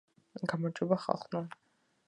გამარჯობა ხალხო